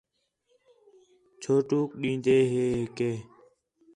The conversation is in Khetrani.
چھوٹوک ݙین٘دے ہے کہ